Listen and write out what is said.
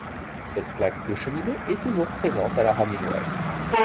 Cette plaque de cheminée est toujours présente à la Raminoise.